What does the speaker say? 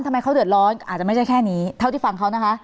ทำไมเขาเดือดร้อนอาจจะไม่ใช่แค่นี้เท่าที่ฟังเขานะคะ